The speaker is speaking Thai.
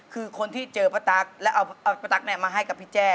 คือคนที่เจอป้าตั๊กแล้วเอาป้าตั๊กมาให้กับพี่แจ้